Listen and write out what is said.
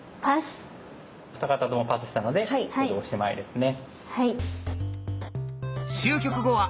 二方ともパスしたのでこれでおしまいですね。